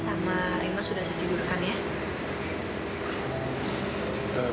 sama rima sudah saya tidurkan ya